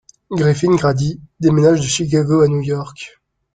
Griffin-Grady déménage de Chicago à New York.